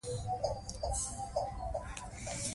د الله په نزد هغه څوک غوره دی چې تقوی ولري.